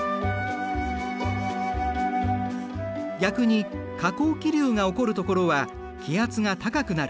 逆に下降気流が起こるところは気圧が高くなる。